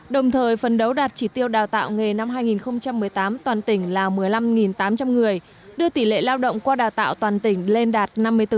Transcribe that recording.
đồng thời phấn đấu đạt chỉ tiêu đào tạo nghề năm hai nghìn một mươi tám toàn tỉnh là một mươi năm tám trăm linh người đưa tỷ lệ lao động qua đào tạo toàn tỉnh lên đạt năm mươi bốn